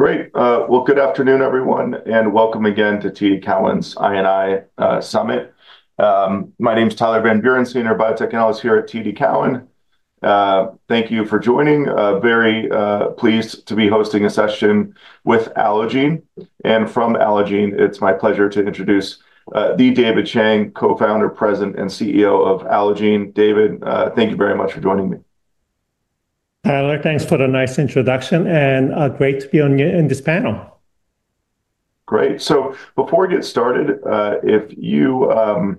Great. Good afternoon, everyone, and welcome again to TD Cowen's I&I Summit. My name is Tyler Van Buren, Senior Biotechnologist here at TD Cowen. Thank you for joining. Very pleased to be hosting a session with Allogene. From Allogene, it's my pleasure to introduce David Chang, Co-founder, President, and CEO of Allogene. David, thank you very much for joining me. Tyler, thanks for the nice introduction, and great to be on this panel. Great. So before we get started, if you—for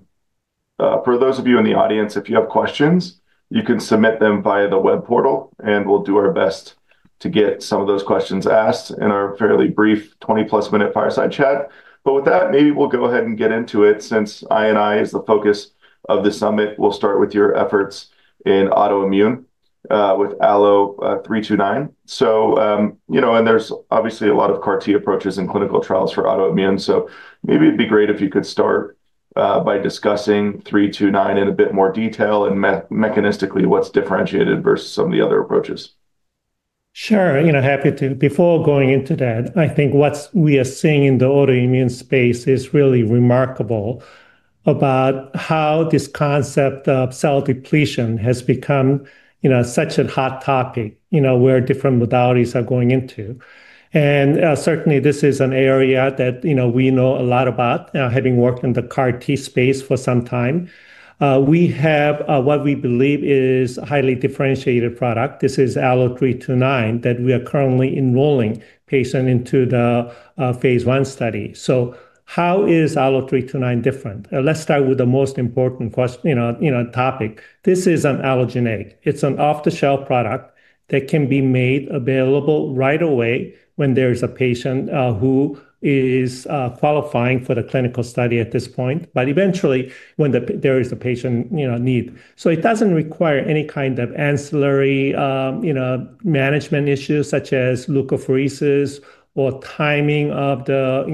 those of you in the audience, if you have questions, you can submit them via the web portal, and we'll do our best to get some of those questions asked in our fairly brief 20+minute fireside chat. With that, maybe we'll go ahead and get into it. Since I&I is the focus of the summit, we'll start with your efforts in autoimmune with ALLO-329. You know, and there's obviously a lot of CAR T approaches and clinical trials for autoimmune. Maybe it'd be great if you could start by discussing 329 in a bit more detail and mechanistically what's differentiated versus some of the other approaches. Sure. You know, happy to—before going into that, I think what we are seeing in the autoimmune space is really remarkable about how this concept of cell depletion has become, you know, such a hot topic, you know, where different modalities are going into. Certainly, this is an area that, you know, we know a lot about, having worked in the CAR T space for some time. We have what we believe is a highly differentiated product. This is ALLO-329 that we are currently enrolling patients into the phase I study. How is ALLO-329 different? Let's start with the most important question, you know, topic. This is an allogeneic. It's an off-the-shelf product that can be made available right away when there is a patient who is qualifying for the clinical study at this point, but eventually when there is a patient need. It doesn't require any kind of ancillary, you know, management issues such as leukophoresis or timing of the,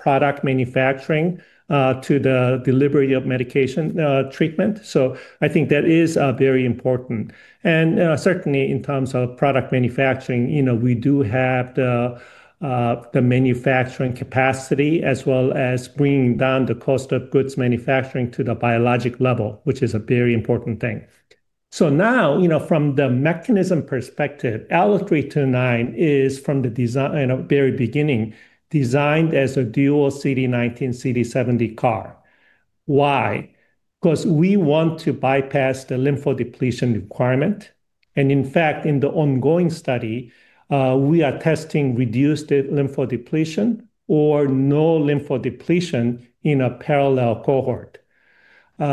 you know, product manufacturing to the delivery of medication treatment. I think that is very important. Certainly, in terms of product manufacturing, we do have the manufacturing capacity as well as bringing down the cost of goods manufacturing to the biologic level, which is a very important thing. Now, you know, from the mechanism perspective, ALLO-329 is, from the very beginning, designed as a dual CD19/CD70 CAR. Why? Because we want to bypass the lymphodepletion requirement. In fact, in the ongoing study, we are testing reduced lymphodepletion or no lymphodepletion in a parallel cohort. You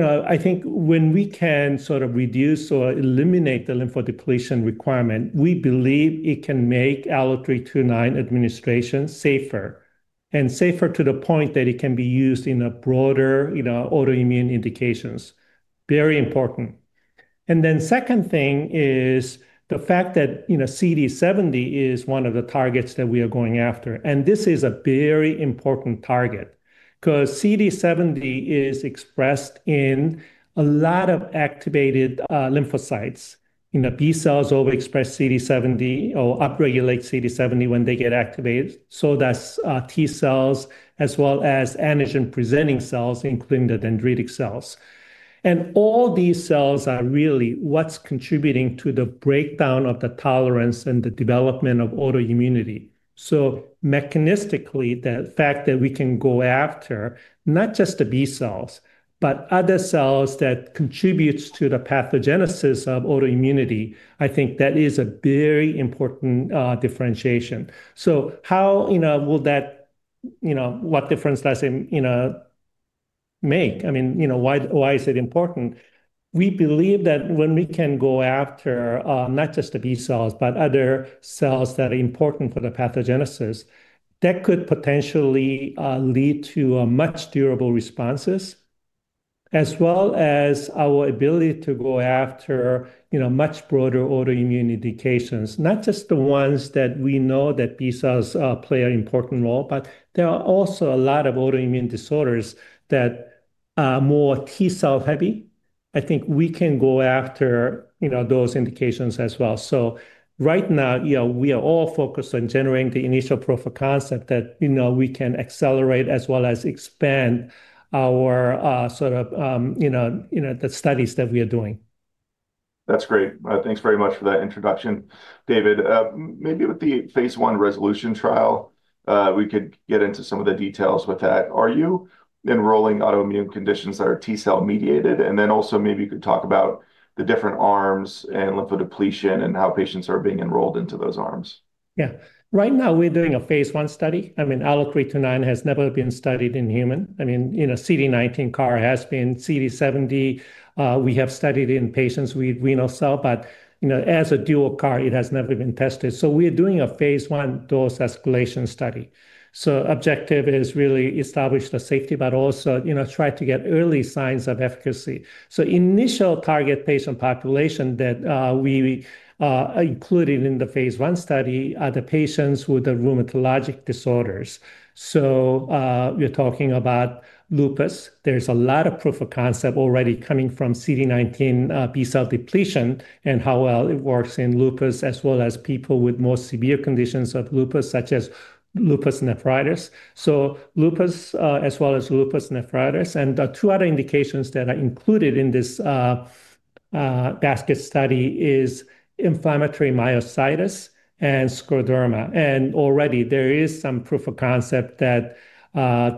know, I think when we can sort of reduce or eliminate the lymphodepletion requirement, we believe it can make ALLO-329 administration safer, and safer to the point that it can be used in a broader, you know, autoimmune indications. Very important. The second thing is the fact that, you know, CD70 is one of the targets that we are going after. This is a very important target because CD70 is expressed in a lot of activated lymphocytes. You know, B cells overexpress CD70 or upregulate CD70 when they get activated. That is T cells as well as antigen-presenting cells, including the dendritic cells. All these cells are really what is contributing to the breakdown of the tolerance and the development of autoimmunity. Mechanistically, the fact that we can go after not just the B cells, but other cells that contribute to the pathogenesis of autoimmunity, I think that is a very important differentiation. How, you know, will that, you know, what difference does it, you know, make? I mean, you know, why is it important? We believe that when we can go after not just the B cells, but other cells that are important for the pathogenesis, that could potentially lead to much durable responses, as well as our ability to go after, you know, much broader autoimmune indications, not just the ones that we know that B cells play an important role, but there are also a lot of autoimmune disorders that are more T cell-heavy. I think we can go after, you know, those indications as well. Right now, you know, we are all focused on generating the initial proof of concept that, you know, we can accelerate as well as expand our sort of, you know, the studies that we are doing. That's great. Thanks very much for that introduction, David. Maybe with the phase I RESOLUTION trial, we could get into some of the details with that. Are you enrolling autoimmune conditions that are T cell mediated? Also, maybe you could talk about the different arms and lymphodepletion and how patients are being enrolled into those arms. Yeah. Right now, we're doing a phase I study. I mean, ALLO-329 has never been studied in human. I mean, you know, CD19 CAR has been. CD70, we have studied in patients with renal cells, but, you know, as a dual CAR, it has never been tested. We're doing a phase I dose escalation study. The objective is really to establish the safety, but also, you know, try to get early signs of efficacy. The initial target patient population that we included in the phase I study are the patients with the rheumatologic disorders. We're talking about lupus. There's a lot of proof of concept already coming from CD19 B cell depletion and how well it works in lupus, as well as people with more severe conditions of lupus, such as lupus nephritis. Lupus, as well as lupus nephritis. The two other indications that are included in this basket study are inflammatory myositis and scleroderma. Already, there is some proof of concept that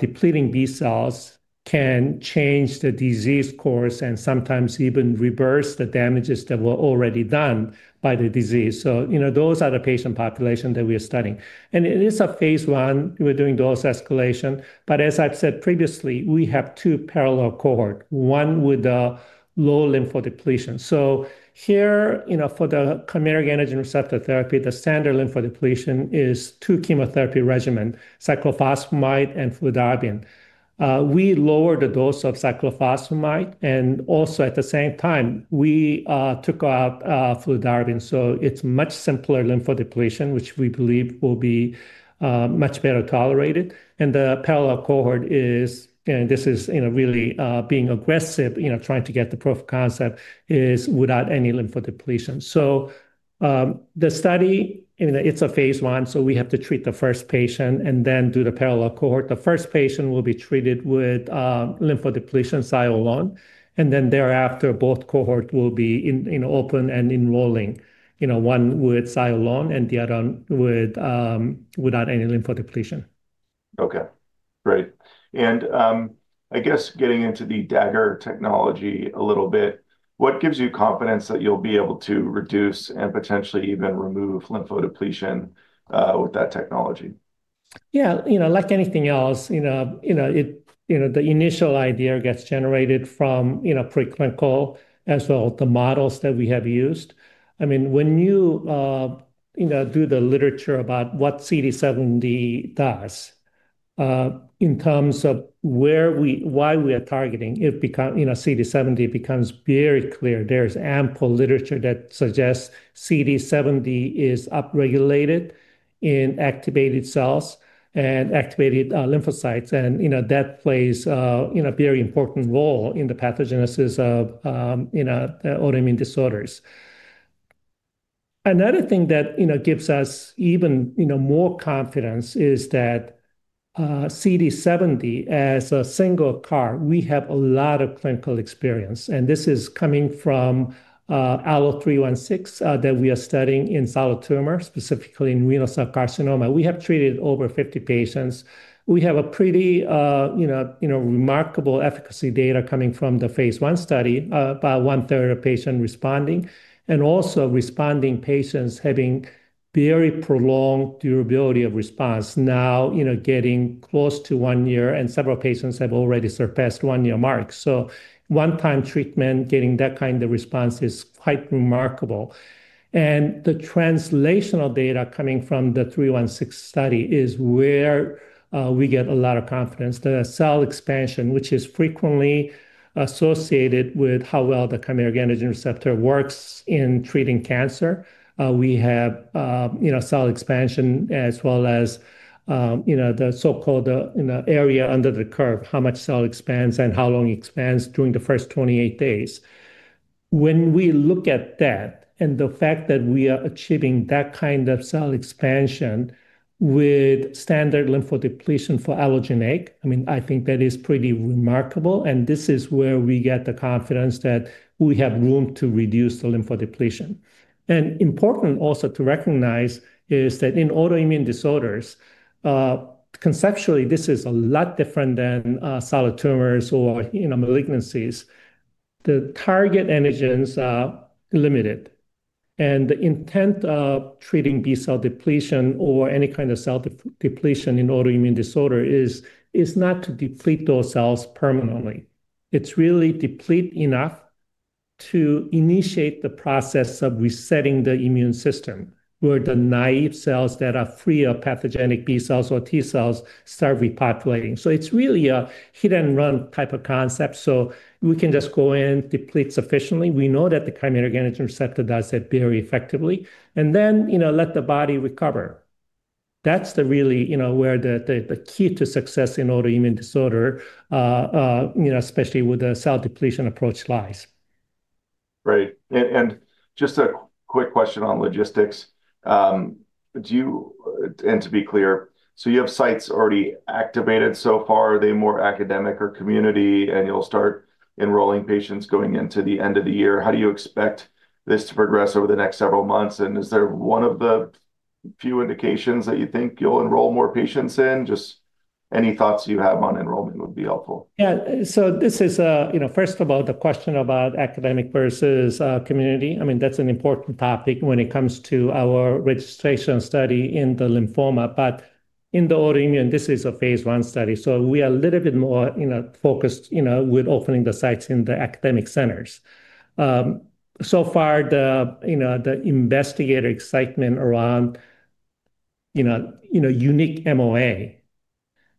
depleting B cells can change the disease course and sometimes even reverse the damages that were already done by the disease. You know, those are the patient population that we are studying. It is a phase I. We're doing dose escalation. As I've said previously, we have two parallel cohorts, one with the low lymphodepletion. Here, you know, for the chimeric antigen receptor therapy, the standard lymphodepletion is two chemotherapy regimens, cyclophosphamide and fludarabine. We lower the dose of cyclophosphamide, and also at the same time, we took out fludarabine. It is a much simpler lymphodepletion, which we believe will be much better-tolerated. The parallel cohort is, and this is, you know, really being aggressive, you know, trying to get the proof of concept, is without any lymphodepletion. The study, you know, it's a phase I, so we have to treat the first patient and then do the parallel cohort. The first patient will be treated with lymphodepletion, Cy only, and then thereafter, both cohorts will be open and enrolling, you know, one with Cy only and the other one without any lymphodepletion. Okay. Great. I guess getting into the Dagger technology a little bit, what gives you confidence that you'll be able to reduce and potentially even remove lymphodepletion with that technology? Yeah, you know, like anything else, you know, the initial idea gets generated from, you know, pre-clinical as well as the models that we have used. I mean, when you, you know, do the literature about what CD70 does, in terms of where we, why we are targeting, it becomes, you know, CD70 becomes very clear. There is ample literature that suggests CD70 is upregulated in activated cells and activated lymphocytes. You know, that plays, you know, a very important role in the pathogenesis of, you know, autoimmune disorders. Another thing that, you know, gives us even, you know, more confidence is that CD70 as a single CAR, we have a lot of clinical experience. This is coming from ALLO-316 that we are studying in solid tumor, specifically in renal cell carcinoma. We have treated over 50 patients. We have a pretty, you know, remarkable efficacy data coming from the phase I study, about one-third of patients responding, and also responding patients having very prolonged durability of response. Now, you know, getting close to one year, and several patients have already surpassed the 1-year mark. One-time treatment, getting that kind of response is quite remarkable. The translational data coming from the 316 study is where we get a lot of confidence. The cell expansion, which is frequently associated with how well the chimeric antigen receptor works in treating cancer. We have, you know, cell expansion as well as, you know, the so-called area under the curve, how much cell expands and how long it expands during the first 28 days. When we look at that and the fact that we are achieving that kind of cell expansion with standard lymphodepletion for allogeneic, I mean, I think that is pretty remarkable. This is where we get the confidence that we have room to reduce the lymphodepletion. Important also to recognize is that in autoimmune disorders, conceptually, this is a lot different than solid tumors or, you know, malignancies. The target antigens are limited. The intent of treating B cell depletion or any kind of cell depletion in autoimmune disorder is not to deplete those cells permanently. It is really deplete enough to initiate the process of resetting the immune system, where the naive cells that are free of pathogenic B cells or T cells start repopulating. It is really a hit-and-run type of concept. We can just go in, deplete sufficiently. We know that the chimeric antigen receptor does that very effectively. And then, you know, let the body recover. That's the really, you know, where the key to success in autoimmune disorder, you know, especially with the cell depletion approach lies. Right. Just a quick question on logistics. Do you, and to be clear, you have sites already activated so far. Are they more academic or community? You'll start enrolling patients going into the end of the year. How do you expect this to progress over the next several months? Is there one of the few indications that you think you'll enroll more patients in? Any thoughts you have on enrollment would be helpful. Yeah. This is, you know, first of all, the question about academic versus community. I mean, that's an important topic when it comes to our registration study in the lymphoma. In the autoimmune, this is a phase I study. We are a little bit more, you know, focused, you know, with opening the sites in the academic centers. So far, the, you know, the investigator excitement around, you know, unique MOA,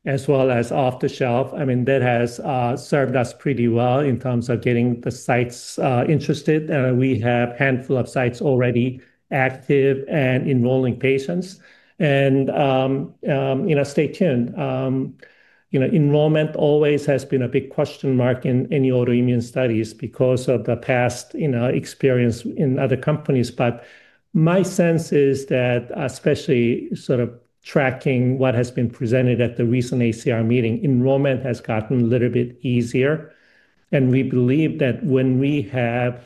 as well as off-the-shelf, I mean, that has served us pretty well in terms of getting the sites interested. We have a handful of sites already active and enrolling patients. You know, stay tuned. Enrollment always has been a big question mark in any autoimmune studies because of the past, you know, experience in other companies. My sense is that, especially sort of tracking what has been presented at the recent ACR meeting, enrollment has gotten a little bit easier. We believe that when we have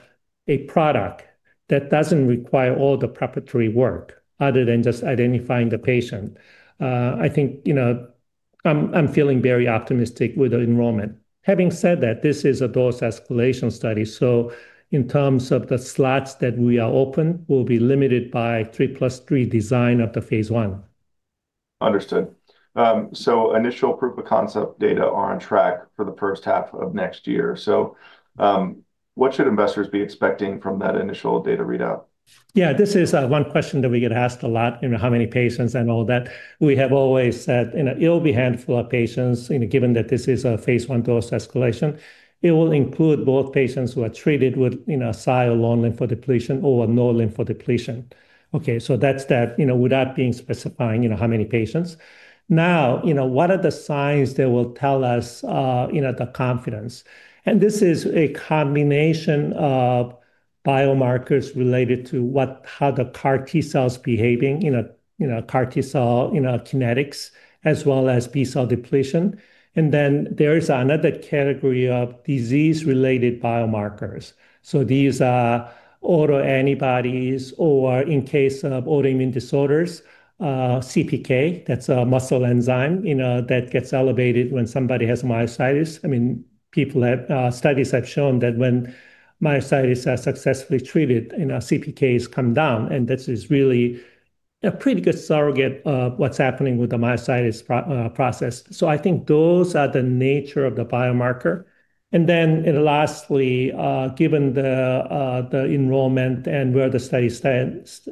a product that does not require all the preparatory work other than just identifying the patient, I think, you know, I am feeling very optimistic with the enrollment. Having said that, this is a dose escalation study. In terms of the slots that are open, we will be limited by the three plus three design of the phase I. Understood. Initial proof of concept data are on track for the first half of next year. What should investors be expecting from that initial data readout? Yeah, this is one question that we get asked a lot, you know, how many patients and all that. We have always said, you know, it'll be a handful of patients, you know, given that this is a phase I dose escalation. It will include both patients who are treated with, you know, Cy only lymphodepletion or no lymphodepletion. Okay. So that's that, you know, without being specifying, you know, how many patients. Now, you know, what are the signs that will tell us, you know, the confidence? And this is a combination of biomarkers related to what, how the CAR T cells behaving, you know, you know, CAR T cell, you know, kinetics, as well as B cell depletion. And then there is another category of disease-related biomarkers. So these are autoantibodies or, in case of autoimmune disorders, CPK. That's a muscle enzyme, you know, that gets elevated when somebody has myositis. I mean, people have studies have shown that when myositis is successfully treated, you know, CPKs come down. This is really a pretty good surrogate of what's happening with the myositis process. I think those are the nature of the biomarker. Lastly, given the enrollment and where the study stands,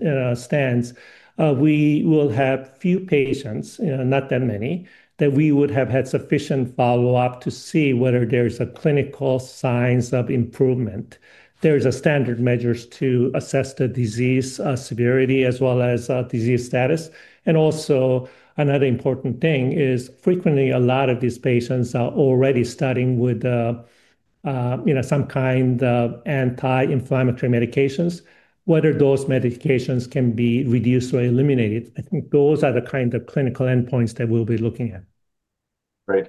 we will have few patients, you know, not that many, that we would have had sufficient follow-up to see whether there's clinical signs of improvement. There are standard measures to assess the disease severity as well as disease status. Also, another important thing is frequently a lot of these patients are already starting with, you know, some kind of anti-inflammatory medications, whether those medications can be reduced or eliminated. I think those are the kind of clinical endpoints that we'll be looking at. Great.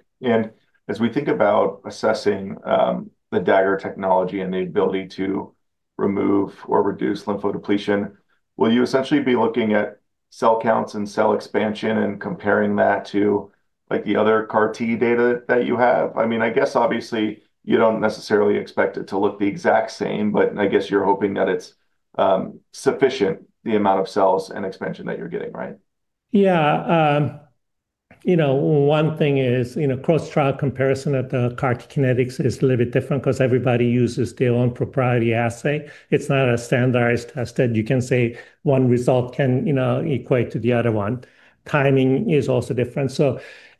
As we think about assessing the Dagger technology and the ability to remove or reduce lymphodepletion, will you essentially be looking at cell counts and cell expansion and comparing that to, like, the other CAR T data that you have? I mean, I guess obviously you do not necessarily expect it to look the exact same, but I guess you are hoping that it is sufficient, the amount of cells and expansion that you are getting, right? Yeah. You know, one thing is, you know, cross-trial comparison at the CAR T kinetics is a little bit different because everybody uses their own proprietary assay. It's not a standardized test that you can say one result can, you know, equate to the other one. Timing is also different.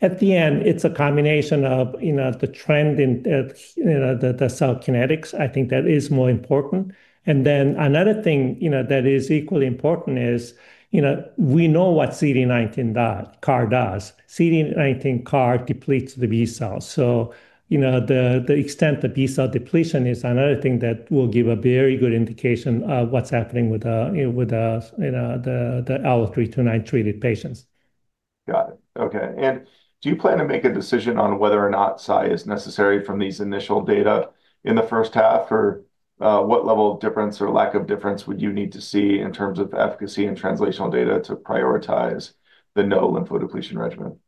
At the end, it's a combination of, you know, the trend in, you know, the cell kinetics. I think that is more important. Another thing, you know, that is equally important is, you know, we know what CD19 CAR does. CD19 CAR depletes the B cells. So, you know, the extent of B cell depletion is another thing that will give a very good indication of what's happening with the, you know, the ALLO-329-treated patients. Got it. Okay. Do you plan to make a decision on whether or not Cy is necessary from these initial data in the first half, or what level of difference or lack of difference would you need to see in terms of efficacy and translational data to prioritize the no lymphodepletion regimen?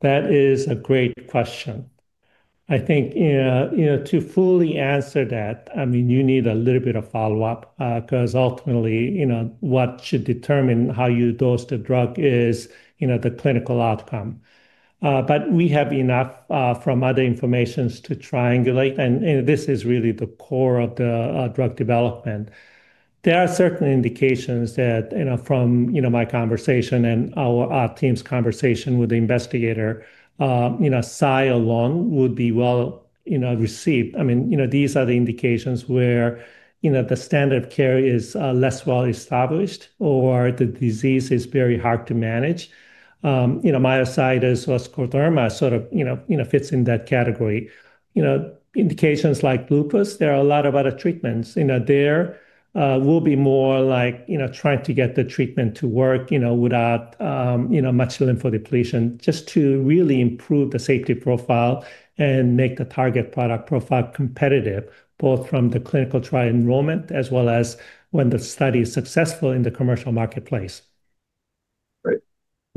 That is a great question. I think, you know, to fully answer that, I mean, you need a little bit of follow-up because ultimately, you know, what should determine how you dose the drug is, you know, the clinical outcome. But we have enough from other information to triangulate. And this is really the core of the drug development. There are certain indications that, you know, from, you know, my conversation and our team's conversation with the investigator, you know, Cy only would be well, you know, received. I mean, you know, these are the indications where, you know, the standard of care is less well-established or the disease is very hard to manage. You know, myositis or scleroderma sort of, you know, fits in that category. You know, indications like lupus, there are a lot of other treatments. You know, there will be more like, you know, trying to get the treatment to work, you know, without, you know, much lymphodepletion just to really improve the safety profile and make the target product profile competitive, both from the clinical trial enrollment as well as when the study is successful in the commercial marketplace. Great.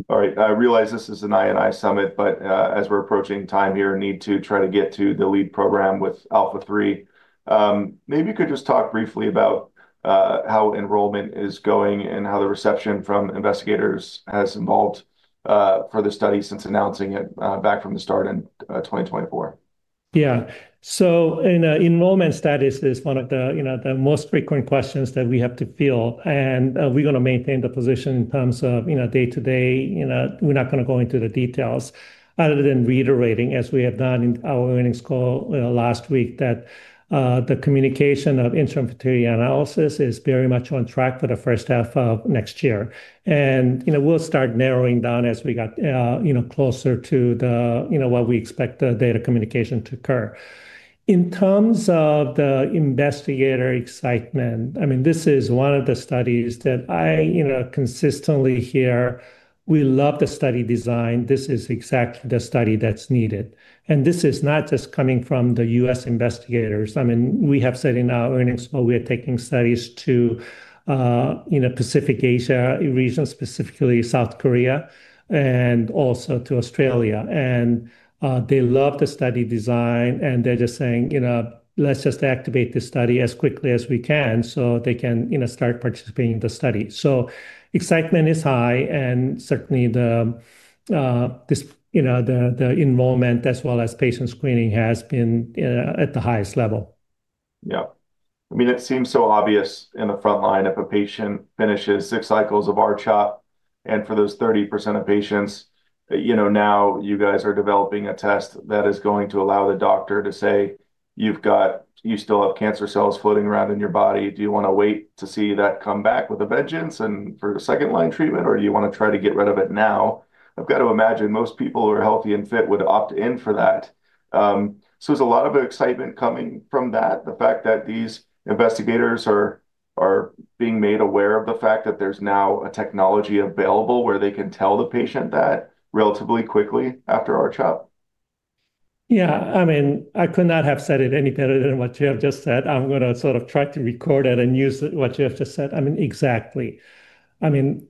All right. I realize this is an I&I summit, but as we're approaching time here, need to try to get to the lead program with ALPHA3. Maybe you could just talk briefly about how enrollment is going and how the reception from investigators has evolved for the study since announcing it back from the start in 2024. Yeah. In enrollment, status is one of the, you know, the most frequent questions that we have to fill. We're going to maintain the position in terms of, you know, day-to-day, you know, we're not going to go into the details other than reiterating, as we have done in our earnings call last week, that the communication of interim criteria analysis is very much on track for the first half of next year. You know, we'll start narrowing down as we get, you know, closer to the, you know, what we expect the data communication to occur. In terms of the investigator excitement, I mean, this is one of the studies that I, you know, consistently hear. We love the study design. This is exactly the study that's needed. This is not just coming from the U.S. investigators. I mean, we have said in our earnings call, we are taking studies to, you know, Pacific Asia region, specifically South Korea and also to Australia. They love the study design. They are just saying, you know, let's just activate the study as quickly as we can so they can, you know, start participating in the study. Excitement is high. Certainly, the enrollment as well as patient screening has been at the highest level. Yeah. I mean, it seems so obvious in the front line if a patient finishes 6 cycles of R-CHOP. And for those 30% of patients, you know, now you guys are developing a test that is going to allow the doctor to say, you've got, you still have cancer cells floating around in your body. Do you want to wait to see that come back with a vengeance and for a second-line treatment, or do you want to try to get rid of it now? I've got to imagine most people who are healthy and fit would opt in for that. There is a lot of excitement coming from that, the fact that these investigators are being made aware of the fact that there's now a technology available where they can tell the patient that relatively quickly after R-CHOP. Yeah. I mean, I could not have said it any better than what you have just said. I'm going to sort of try to record that and use what you have just said. I mean, exactly. I mean,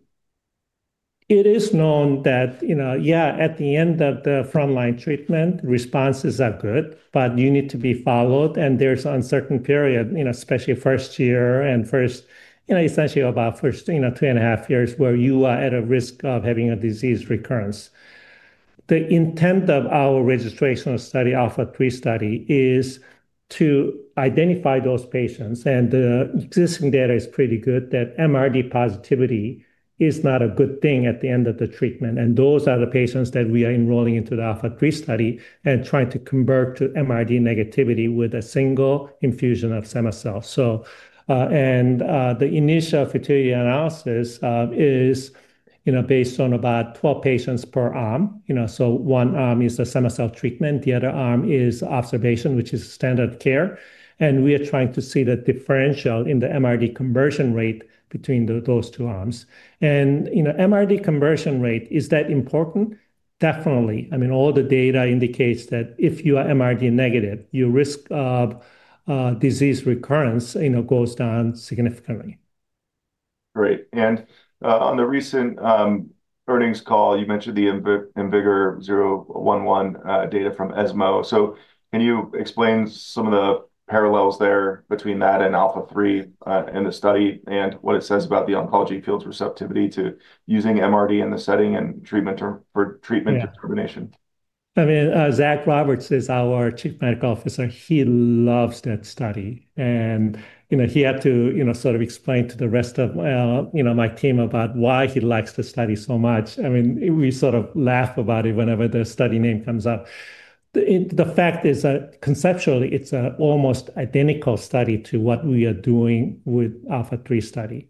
it is known that, you know, yeah, at the end of the front-line treatment, responses are good, but you need to be followed. There is an uncertain period, you know, especially first year and first, you know, essentially about first, you know, 2.5 years where you are at a risk of having a disease recurrence. The intent of our registration study, ALPHA3 trial, is to identify those patients. And this data is pretty good that MRD positivity is not a good thing at the end of the treatment. Those are the patients that we are enrolling into the ALPHA3 trial and trying to convert to MRD negativity with a single infusion of cema-cel. The initial criteria analysis is, you know, based on about 12 patients per arm, you know, so one arm is the cema-cel treatment, the other arm is observation, which is standard care. We are trying to see the differential in the MRD conversion rate between those two arms. You know, MRD conversion rate, is that important? Definitely. I mean, all the data indicates that if you are MRD-negative, your risk of disease recurrence, you know, goes down significantly. Great. On the recent earnings call, you mentioned the IMvigor011 data from ESMO. Can you explain some of the parallels there between that and ALPHA3 in the study and what it says about the oncology field's receptivity to using MRD in the setting and treatment for treatment determination? I mean, Zach Roberts is our Chief Medical Officer. He loves that study. And, you know, he had to, you know, sort of explain to the rest of, you know, my team about why he likes the study so much. I mean, we sort of laugh about it whenever the study name comes up. The fact is that conceptually, it's an almost identical study to what we are doing with ALPHA3 trial.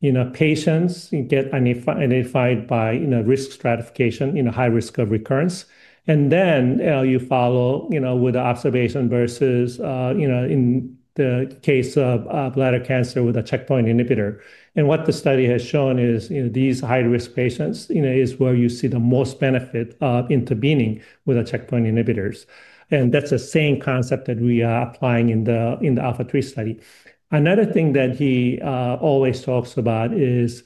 You know, patients get identified by, you know, risk stratification, you know, high risk of recurrence. And then you follow, you know, with the observation versus, you know, in the case of bladder cancer with a checkpoint inhibitor. And what the study has shown is, you know, these high-risk patients, you know, is where you see the most benefit of intervening with the checkpoint inhibitors. And that's the same concept that we are applying in the ALPHA3 trial. Another thing that he always talks about is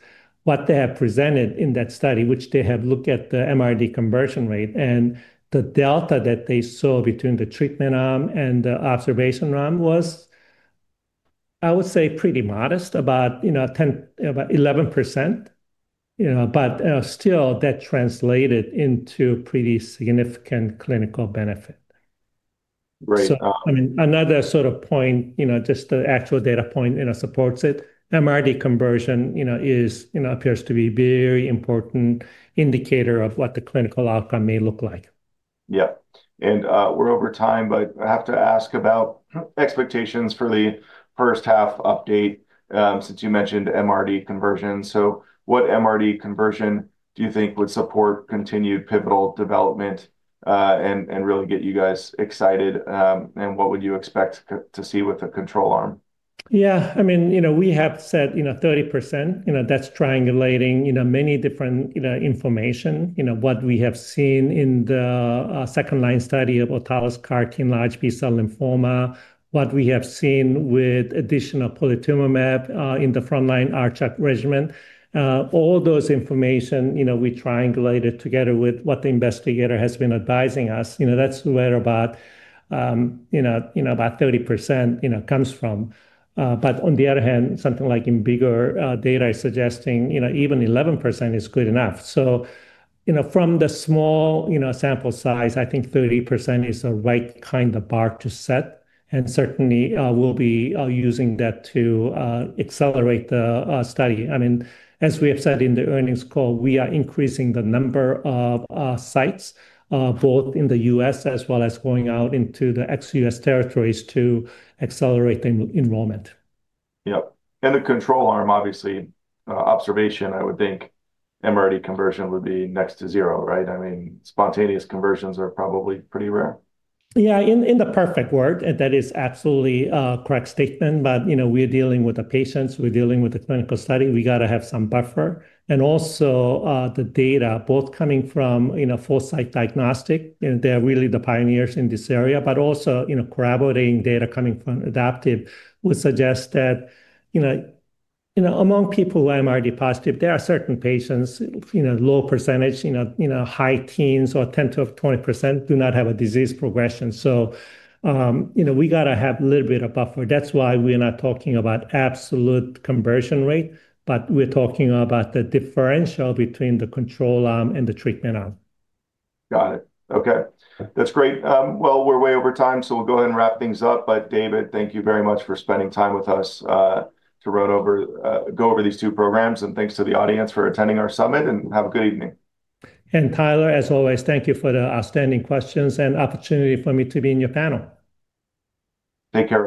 what they have presented in that study, which they have looked at the MRD conversion rate. The delta that they saw between the treatment arm and the observation arm was, I would say, pretty modest, about, you know, 10%, about 11%, you know, but still that translated into pretty significant clinical benefit. Great. I mean, another sort of point, you know, just the actual data point, you know, supports it. MRD conversion, you know, is, you know, appears to be a very important indicator of what the clinical outcome may look like. Yeah. We are over time, but I have to ask about expectations for the first half update since you mentioned MRD conversion. What MRD conversion do you think would support continued pivotal development and really get you guys excited? What would you expect to see with the control arm? Yeah. I mean, you know, we have said, you know, 30%, you know, that's triangulating, you know, many different, you know, information, you know, what we have seen in the second-line study of autologous CAR T in large B cell lymphoma, what we have seen with additional polatuzumab in the front-line R-CHOP regimen. All those information, you know, we triangulated together with what the investigator has been advising us. You know, that's where about, you know, about 30%, you know, comes from. On the other hand, something like Invigor data is suggesting, you know, even 11% is good enough. From the small, you know, sample size, I think 30% is the right kind of bar to set. Certainly we'll be using that to accelerate the study. I mean, as we have said in the earnings call, we are increasing the number of sites, both in the U.S. as well as going out into the ex-U.S. territories to accelerate enrollment. Yep. The control arm, obviously, observation, I would think MRD conversion would be next to zero, right? I mean, spontaneous conversions are probably pretty rare. Yeah, in the perfect world. That is absolutely a correct statement. You know, we're dealing with the patients, we're dealing with the clinical study, we got to have some buffer. Also, the data, both coming from, you know, full-site diagnostic, and they're really the pioneers in this area, but also, you know, collaborating data coming from Adaptive would suggest that, you know, among people who are MRD-positive, there are certain patients, a low percentage, you know, high teens or 10%-20% do not have a disease progression. You know, we got to have a little bit of buffer. That's why we're not talking about absolute conversion rate, but we're talking about the differential between the control arm and the treatment arm. Got it. Okay. That's great. We are way over time, so we'll go ahead and wrap things up. David, thank you very much for spending time with us to run over, go over these two programs. Thanks to the audience for attending our summit. Have a good evening. Tyler, as always, thank you for the outstanding questions and opportunity for me to be in your panel. Take care.